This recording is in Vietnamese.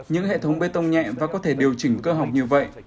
những hệ thống bê tông nhẹ và có thể điều chỉnh cơ học như vậy